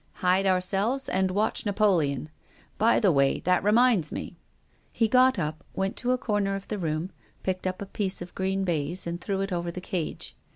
" Hide ourselves, and watch Napoleon. By the way — that reminds me." He got up, went to a corner of the room, picked up a piece of green baize and threw it over the cage.